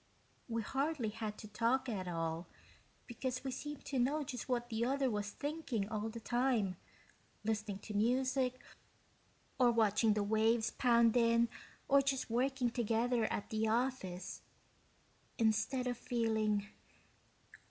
We hardly had to talk at all, because we seemed to know just what the other one was thinking all the time, listening to music, or watching the waves pound in or just working together at the office. Instead of feeling